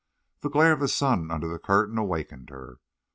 The glare of the sun under the curtain awakened her.